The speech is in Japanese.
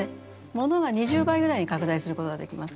ものが２０倍ぐらいに拡大することができます。